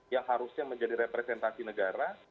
yang harusnya menjadi representasi negara